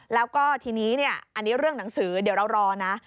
แล้วก็ทีนี้อันนี้เรื่องหนังสือเดี๋ยวเรารอนะ